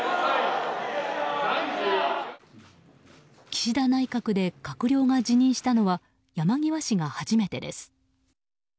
岸田内閣で閣僚が辞任したのは山際氏が初めてです。